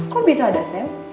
kok bisa ada sam